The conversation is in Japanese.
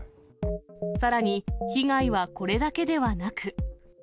さらに、被害はこれだけではなく。